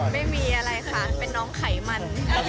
ไม่มีอะไรค่ะเป็นน้องไขมัน